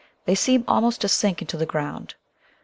They seem almost to sink into the gromid.